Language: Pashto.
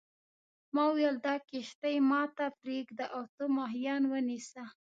ما وویل دا کښتۍ ما ته پرېږده او ته ماهیان ونیسه.